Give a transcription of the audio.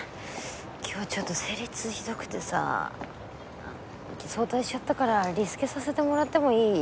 今日ちょっと生理痛ひどくてさ早退しちゃったからリスケさせてもらってもいい？